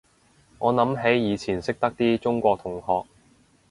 我諗起以前識得啲中國同學